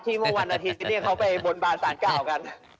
เมื่อวันอาทิตย์เขาไปบนบานสารกล่าวกัน